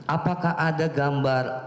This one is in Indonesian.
apakah ada gambar